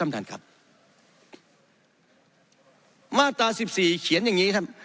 มาตร๑๔เขียนอย่างนี้นะครับ